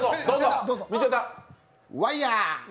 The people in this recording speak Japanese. ワイヤー！